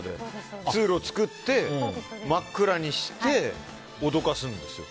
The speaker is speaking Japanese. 通路を作って、真っ暗にして脅かすんですよ。